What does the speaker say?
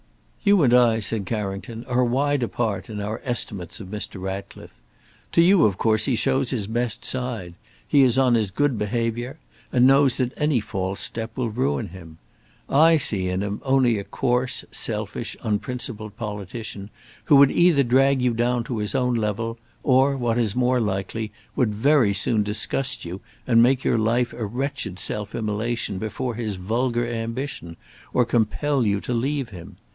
"You and I," said Carrington, "are wide apart in our estimates of Mr. Ratcliffe. To you, of course, he shows his best side. He is on his good behaviour, and knows that any false step will ruin him. I see in him only a coarse, selfish, unprincipled politician, who would either drag you down to his own level, or, what is more likely, would very soon disgust you and make your life a wretched self immolation before his vulgar ambition, or compel you to leave him.